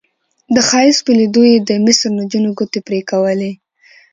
د ښایست په لیدو یې د مصر نجونو ګوتې پرې کولې.